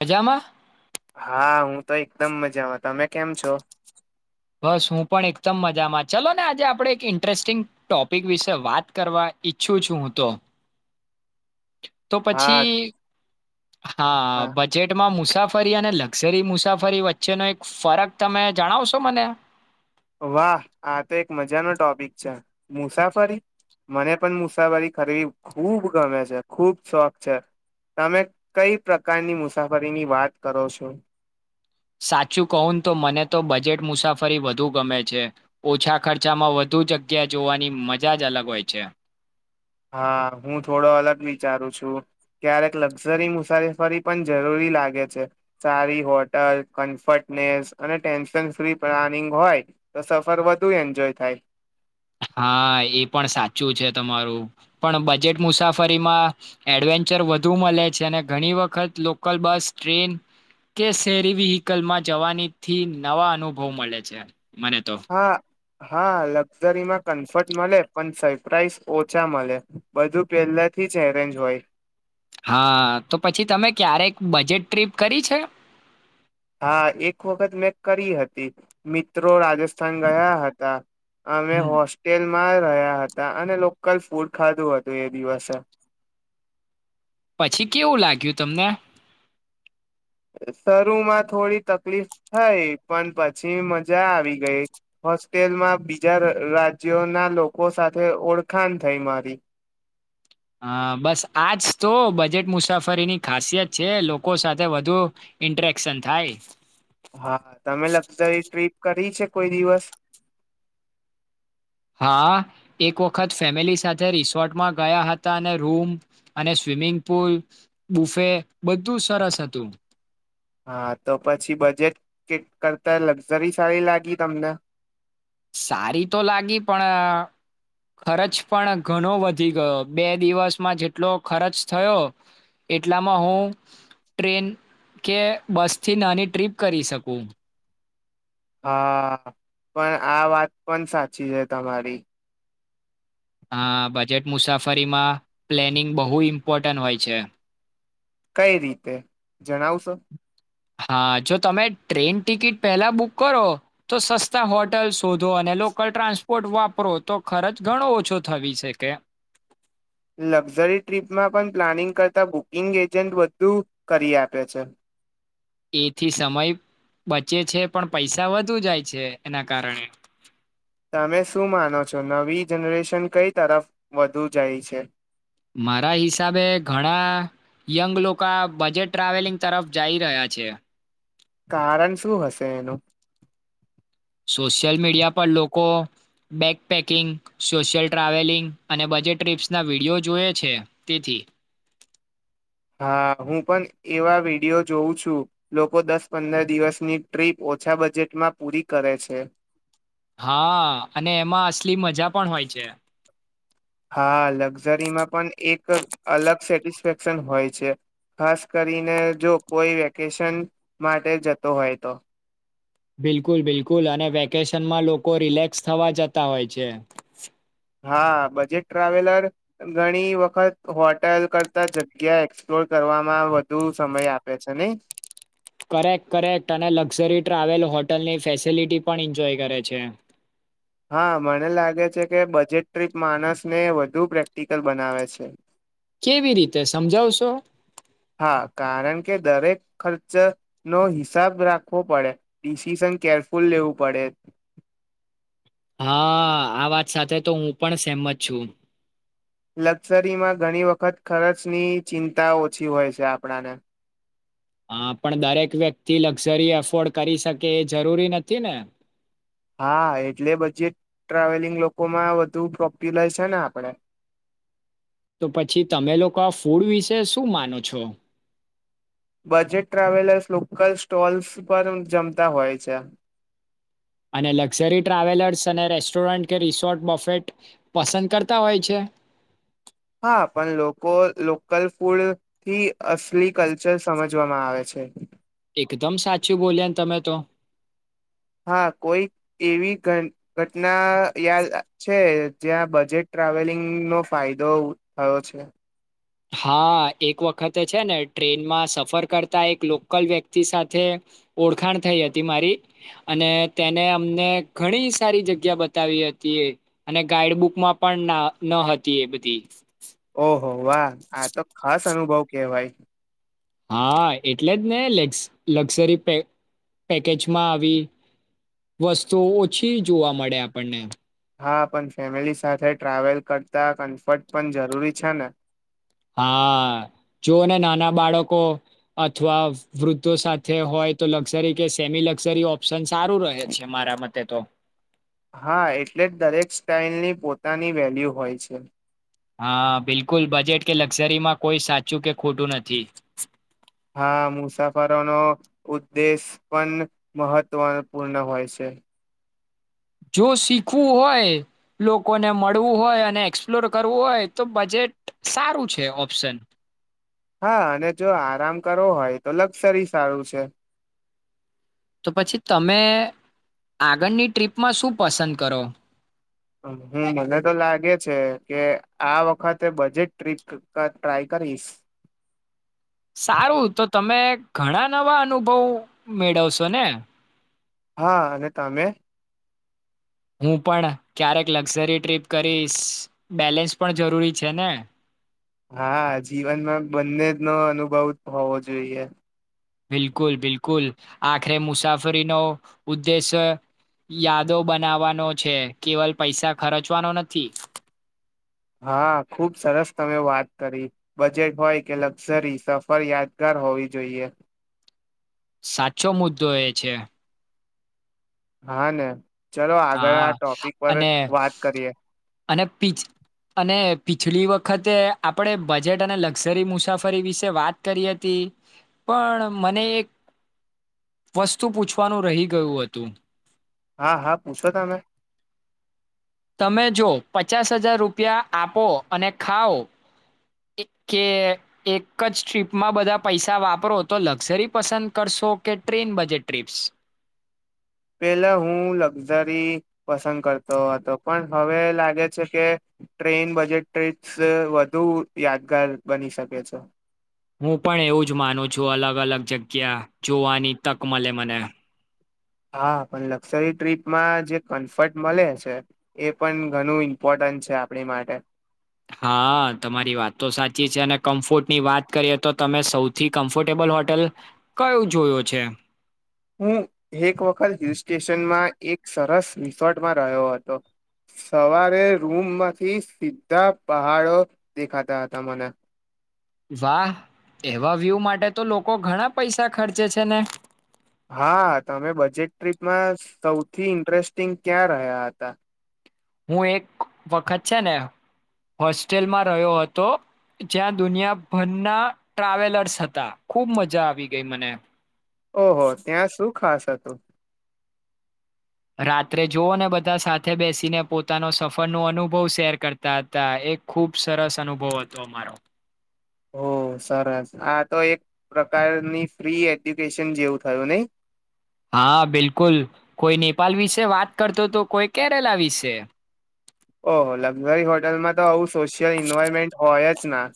મજામાં હા હું તો એકદમ મજામાં તમે કેમ છો? બસ હું પણ એકદમ મજામાં ચલો ને આજે આપણે એક ઇન્ટરેસ્ટિંગ ટોપિક વિશે વાત કરવા ઈચ્છું છું હું તો તો હા પછી હા બજેટમાં મુસાફરી અને લક્ઝરી મુસાફરી વચ્ચેનો એક ફરક તમે જણાવશો મને અચ્છા મુસાફરી મને પણ મુસાફરી કરવી ખૂબ ગમે છે, ખુબ શોખ છે, તમે કઈ પ્રકારની મુસાફરીની વાત કરો છો. સાચું કહું તો મને તો બજેટ મુસાફરી વધુ ગમે છે, ઓછા ખર્ચામાં વધુ જગ્યા જોવાની મજા જ અલગ હોય છે. હા હું થોડો અલગ વિચારું છું ક્યારેક લક્ઝરી મુસાફફરી પણ જરૂરી લાગે છે સારી હોટલ કમ્ફટનેસ અને ટેન્શન ફ્રી પ્લાનિંગ હોય તો સફર વધુ એન્જોય થાય. હા એ પણ સાચું છે તમારું પણ બજેટ મુસાફરીમાં એડવેન્ચર વધુ મળે છે, અને ઘણી વખત લોકલ બસ ટ્રેન કે શેરી વહીકલમાં જવાનીથી નવા અનુભવ મળે છે. મને તો હા હા લક્ઝરીમાં કમ્ફર્ટ મળે પણ સરપ્રાાઈઝ ઓછા મળે બધું પહેલાથી જ એરેન્જ હોય હા તો પછી તમે ક્યારેક બજેટ ટ્રીપ કરી છે. હા એક વખત મેં કરી હતી મિત્રો રાજા સ્થાન ગયા હતા અમે હમ. હોસ્ટેલ મા રહ્યા હતા અને લોકલ ફૂડ ખાધું હતું એ દિવસે પછી કેવું લાગ્યું તમને શરૂમાં થોડી તકલીફ થઈ પણ પછી મજા આવી ગઈ હોસ્ટેલમાં બીજા રાજ જયો ના લોકો સાથે ઓળખાણ થઈ મારી. હ બસ આજ તો બજેટ મુસાફરીની ખાસિયત છે લોકો સાથે વધુ ઇન્ટરેક્શન થાય. હા તમે લક્ઝરી ટ્રીપ કરી છે. કોઈ દિવસ હા એક વખત ફેમિલી સાથે રિસોર્ટમાં ગયા હતા અને રૂમ અને સ્વિમિંગ પુલ બુફે બધું સરસ હતું હા તો પછી બજેટ કે કરતા લક્ઝરી સળી લાગી તમને સારી તો લાગી પણ ખર્ચ પણ ઘણો વધી ગયો બે દિવસમાં જેટલો ખર્ચ થયો એટલામાં હું ટ્રેન કે બસથી નાની ટ્રીપ કરી શકું હા પણ આ વાત પણ સાચી છે તમારી હા બજેટ મુસાફરીમાં પ્લેનિંગ બહુ ઇમ્પોર્ટન્ટ હોય છે. કઈ રીતે જણાવશો હા જો તમે ટ્રેન ટિકિટ પહેલા બુક કરો તો સસ્તા હોટલ શોધો અને લોકલ ટ્રાન્સપોર્ટ વાપરો તો ખર્ચ ઘણો ઓછો થવી શકે. લક્ઝરી ટ્રીપમાં પણ પ્લાનિંગ કરતાં બુકિંગ એજન્ટ વધુ કરી આપે છે. એથી સમય બચે છે પણ પૈસા વધુ જાય છે એના કારણે. તમે શું માનો છો નવી જનરેશન કઈ તરફ વધુ જાય છે? મારા હિસાબે ઘણા યંગ લોકો બજેટ ટ્રાવેલિંગ તરફ જઈ રહ્યા છે. કારણ શું હશે એનું? બેક પેકિંગ, સોશિયલ ટ્રાવેલિંગ અને બજેટ ટ્ર્રીપ્સના વિડીયો જોય છે તેથી. હા હું પણ એવા વિડિયો જોઉં છું લોકો દસ પંદર દિવસની ટ્રીપ ઓછા બજેટમાં પૂરી કરે છે. હા અને એમાં અસલી મજા પણ હોય છે. હા લક્ઝરીમાં પણ એક અલગ સેટિસ્ફેક્શન હોય છે ખાસ કરીને જો કોઈ વેકેશન માટે જતો હોય તો. બિલકુલ બિલકુલ અને વેકેશનમાં લોકો રિલેક્સ થવા જતા હોય છે. હા બજેટ ટ્રાવેલર ઘણી વખત હોટેલ કરતા જગ્યા એક્સપ્લોર કરવામાં વધુ સમય આપે છે ને. કરેક્ટ કરેક્ટ અને લક્ઝરી ટ્રાવેલ હોટલની ફેસિલિટી પણ એન્જોય કરે છે. હા મને લાગે છે કે બજેટ ટ્રીપ માણસને વધુ પ્રેક્ટિકલ બનાવે છે. કેવી રીતે સમજાવશો? હા કારણ કે દરેક ખર્ચ નો હિસાબ રાખવો પડે, ડિસિશન કેરફુલ લેવું પડે. હા આ વાત સાથે તો હું પણ સેમત છું. લક્ઝરીમાં ઘણી વખત ખર્ચની ચિંતા ઓછી હોય છે આપણાને. હા પણ દરેક વ્યક્તિ લક્ઝરી એફોર્ડ કરી શકે એ જરૂરી નથી ને. હા એટલે બજેટ ટ્રાવેલિંગ લોકોમાં વધુ પ્રોપ્યલાય છે ને આપણેે. તો પછી તમે લોકો આ ફૂડ વિશે શું માનો છો? બજેટ ટ્રાવેલર્સ લોકલ સ્ટોલ્સ પર જમતા હોય છે. અને લક્ઝરી ટ્રાવેલર્સ અને રેસ્ટોરન્ટ કે રિસોર્ટ બફેટ પસંદ કરતા હોય છે. હા પણ લોકો લોકલ ફૂડ થી અસલી કલ્ચર સમજવામાં આવે છે. એકદમ સાચું બોલ્યા ને તમે તો. હા કોઈ એવી ઘ ઘટના યા છે જ્યાં બજેટ ટ્રાવેલિંગ નો ફાયદો થયો છે? હા એક વખત છે ને ટ્રેનમાં સફર કરતા એક લોકલ વ્યક્તિ સાથે ઓળખાણ થઈ હતી મારી, અને તેને અમને ઘણી સારી જગ્યા બતાવી હતી એ અને ગાઈડ બુકમાં પણ ન હતી એ બધી. ઓ. હ વા આ તો ખાસ અનુભવ કેવાય. હા એટલે જ ને લેક્ઝ લક્ઝરી પેકેજમાં આવી વસ્તુ ઓછી જોવા મળે આપણને. હા પણ ફેમિલી સાથે ટ્રાવેલ કરતા કમ્ફર્ટ પણ જરૂરી છે ને. હા જોને નાના બાળકો અથવા વૃદ્ધો સાથે હોય તો લક્ઝરી કે સેમી લક્ઝરી ઓપ્શન સારું રહે છે મારા મતે તો. હા એટલે જ દરેક સ્ટાઈલની પોતાની વેલ્યુ હોય છે. હા બિલકુલ બજેટ કે લક્ઝરીમાં કોઈ સાચું કે ખોટું નથી. હા મુસાફરોનો, ઉદ્દેશ પણ મહત્વપૂર્ણ હોય છે. જો શીખવું હોય લોકોને મળવું હોય અને એક્સપ્લોર કરવું હોય તો બજેટ સારું છે ઓપ્શન. હા અને જો આરામ કરવો હોય તો લક્ઝરી સારું છે. તો પછી તમે આગળની ટ્રીપમાં શું પસંદ કરો? હમ મને તો લાગે છે કે આ વખતે બજેટ ટ્રીક ટ્રાય કરીશ. સારું તો તમે ઘણા નવા અનુભવ મેળવશો ને? હા અને તમે? હું પણ ક્યારેક લક્ઝરી ટ્રીપ કરીશ બેલેન્સ પણ જરૂરી છે ને. હા જીવનમાં બંને જ નો અનુભવ હોવો જોઈએ. બિલકુલ બિલકુલ, આખરે મુસાફરીનો ઉદ્દેશ યાદો બનાવવાનો છે કેવલ પૈસા ખર્ચવાનો નથી. હા ખુબ સરસ તમે વાત કરી બજેટ હોય કે લક્ઝરી સફર યાદગાર હોવી જોઈએ. સાચો મુદ્દો એ છે. હા ને. ચલો આગળ આ હા ટોપિક પર અને વાત કરીએ. અને પી અને પીછલી વખતે આપણે બજેટ અને લક્ઝરી મુસાફરી વિશે વાત કરી હતી, પણ મને એક વસ્તુ પૂછવાનું રહી ગયું હતું. હા હા પૂછો તમે. તમે જો પચાસ હજાર રૂપિયા આપો અને ખાઓ કે એક જ ટ્રીપમાં બધા પૈસા વાપરો તો લક્ઝરી પસંદ કરશો કે ટ્રેન બજેટ ટ્રીપ્સ. પેલા હું લક્ઝરી પસંદ કરતો હતો પણ હવે લાગે છે કે, ટ્રેન બજેટ ટ્ર્રીપ્સ વધુ યાદગાર બની શકે છે. હું પણ એવું જ માનું છું અલગ અલગ જગ્યા જોવાની તક મળે મને. હા પણ લક્ઝરી ટ્રીપમાં જે કમ્ફર્ટ મળે છે એ પણ ઘણું ઇમ્પોર્ટન્ટ છે આપણી માટે. હા તમારી વાત તો સાચી છે અને કમ્ફોર્ટ ની વાત કરીએ તો તમે સૌથી કમ્ફર્ટેબલ હોટેલ, કયું જોયયો છે? હું એક વખત હિલ સ્ટેશનમાં એક સરસ રિસોર્ટમાં રહ્યો હતો, સવારે રૂમમાંથી સીધા પહાડો દેખાતા હતા મને. વાહ એવા વ્યૂ માટે તો લોકો ઘણા પૈસા ખર્ચે છે ને. હા તમે બજેટ ટ્રીપમાં સૌથી ઇન્ટરેસ્ટિંગ ક્યાં રહ્યા હતા. હું એક. વખત છે ને હોસ્ટેલમાં રહ્યો હતો જ્યાં દુનિયાભરના ટ્રાવેલર્સ હતા ખુબ મજા આવી ગઈ મને. ઓહો ત્યાં શું ખાસ થતો. રાત્રે જોઓ ને બધા સાથે બેસીને પોતાનો સફરનો અનુભવ શેર કરતા હતા એ ખૂબ સરસ અનુભવ હતો અમારો. હો સરસ આ તો એક પ્રકારની ફ્રી એડ્યુકેશન જેવું થયું નહી. હા બિલકુલ કોઈ નેપાલ વિશે વાત કરતો તો કોઈ કેરલા વિશે. ઓહ લક્ઝરી હોટલમાં તો આવું સોશિયલ ઇન્વાયવમેન્ટ હોય જ ના.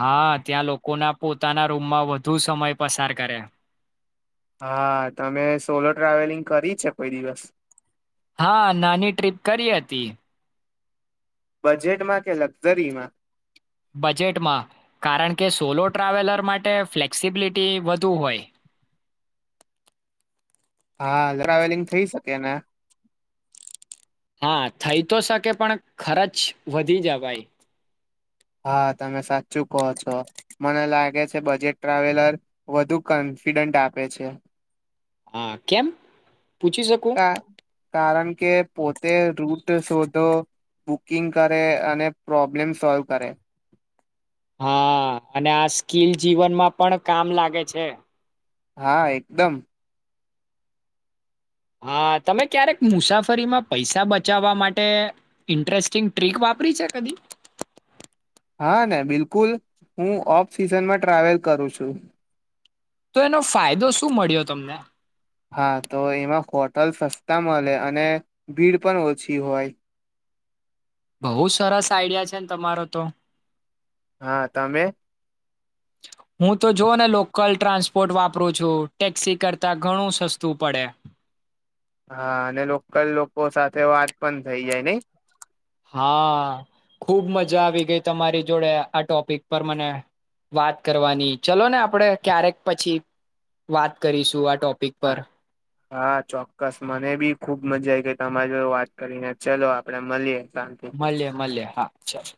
હા ત્યાં લોકોના પોતાના રૂમમાં વધુ સમય પસાર કરે. હા તમે સોલો ટ્રાવેલિંગ કરી છે કોઈ દિવસ. હા નાની ટ્ર્રીપ કરી હતી. બજેટમાં કે લક્ઝરીમાં. બજેટમાં કારણ કે સોલો ટ્રાવેલર માટે ફ્લેક્સિબિલિટી વધુ હોય. હા ટ્રાવેલિંગ થઈ શકે ને. હા થઈ તો શકે પણ ખર્ચ વધી જ ભાઈ. હા તમે સાચું કહો છો મને લાગે છે બજેટ ટ્રાવેલર વધુ કોન્ફિડન્ટ આપે છે. હા કેમ? પૂછી ક શકું કારણ કે પોતે રૂટ શોધો બુકિંગ કરે અને પ્રોબ્લેમ સોલ્વ કરે. હા અને આ સ્કીલ જીવનમાં પણ કામ લાગે છે. હા એકદમ. હા તમે ક્યારેક મુસાફરીમાં પૈસા બચાવવા માટે ઇન્ટરેસ્ટિંગ ટ્રીક વાપરી છે કદી? હા ને બિલકુલ હું ઓફ સિઝનમાં ટ્રાવેલ કરું છું. તો એનો ફાયદો શું મળ્યો તમને. હા તો એમાં હોટલ સસ્તા મળે અને ભીડ પણ ઓછી હોય. બહુ સરસ આઈડિયા છે ને તમારો તો. હા તમે? હું તો જોને લોકલ ટ્રાન્સપોર્ટ વાપરું છું ટેક્સી કરતા ઘણું સસ્તું પડે. હા અને લોકલ લોકો સાથે વાત પણ થઈ જાય ને. હા ખુબ મજા આવી ગઈ તમારી જોડે આ ટોપિક પર મને વાત કરવાની ચલો ને આપણેે ક્યારેક પછી વાત કરીશું આ ટોપિક પર. હા ચોક્કસ મને બી ખુબ મજા આવી ગઈ તમારી જો વાત કરીને ચલો આપડે મળીએે. મળીએ મળીએ હા ચાલ.